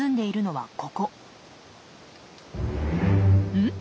うん？